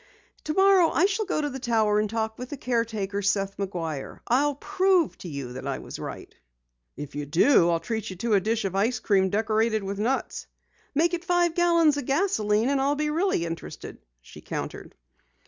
"Tomorrow I shall go to the tower and talk with the caretaker, Seth McGuire. I'll prove to you that I was right!" "If you do, I'll treat to a dish of ice cream decorated with nuts." "Make it five gallons of gasoline and I'll be really interested," she countered.